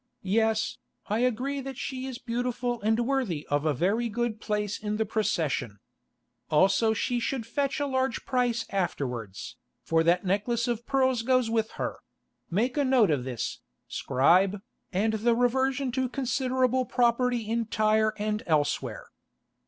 Yes, I agree that she is beautiful and worthy of a very good place in the procession. Also she should fetch a large price afterwards, for that necklace of pearls goes with her—make a note of this, Scribe—and the reversion to considerable property in Tyre and elsewhere.